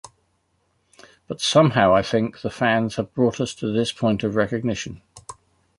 But somehow, I think, the fans have brought us to this point of recognition.